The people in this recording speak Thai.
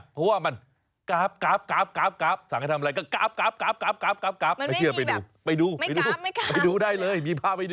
ผ่านรับสำหรับนะกราบ